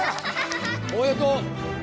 おめでとう！